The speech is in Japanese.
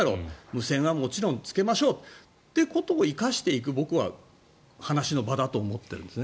無線はもちろんつけましょうということを生かしていく僕は話の場だと思っているんです。